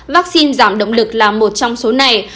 vaccine giảm động lực là một trong số này